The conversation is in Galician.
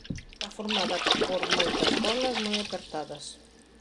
Está formada por moitas pólas moi apertadas.